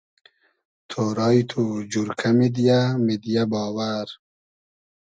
تۉرایی تو جورکۂ میدیۂ میدیۂ باوئر